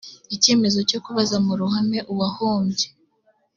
icyemezo cyo kubaza mu ruhame uwahombye